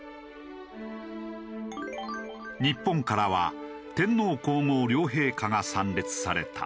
日本からは天皇皇后両陛下が参列された。